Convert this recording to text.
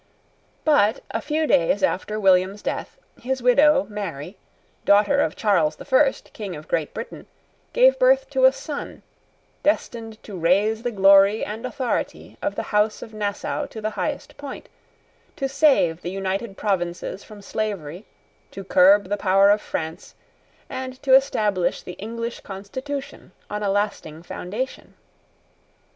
But, a few days after William's death, his widow, Mary, daughter of Charles the first, King of Great Britain, gave birth to a son, destined to raise the glory and authority of the House of Nassau to the highest point, to save the United Provinces from slavery, to curb the power of France, and to establish the English constitution on a lasting foundation.